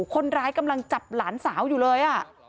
คนร้ายกำลังจับหลานสาวอยู่เลย